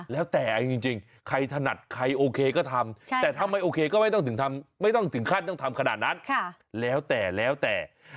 แล้วแต่จริงใครถนัดใครโอเคก็ทำ